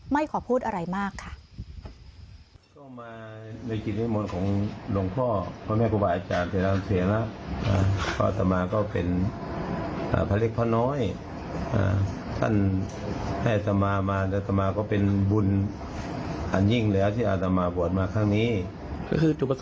ขอพูดอะไรมากค่ะ